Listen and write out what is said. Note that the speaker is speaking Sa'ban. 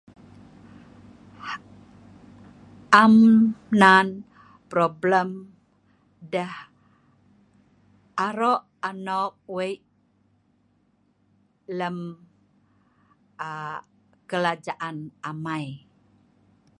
Am nan nok tusah deh aro anok wei lem biweng amai